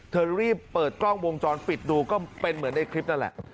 เธอรีบเปิดกล้องวงจรปิดดูก็เป็นเหมือนในคลิปนั่นแหละ